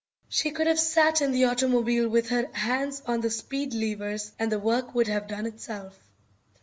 She could have sat in the automobile with her hands on the speed levers and the work would have done itself.